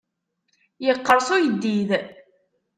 Iqqerṣ uyeddid.